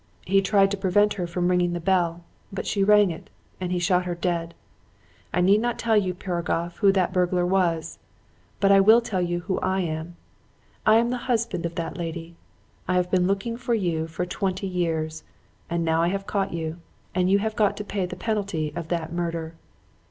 He tried to prevent her from ringing the bell. But she rang it; and he shot her dead. I need not tell you, Piragoff, who that burglar was. But I will tell you who I am. I am the husband of that lady. I have been looking for you for twenty years, and now I have caught you; and you have got to pay the penalty of that murder.'